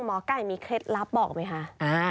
หมอไก่มีเคล็ดลับบอกไหมคะ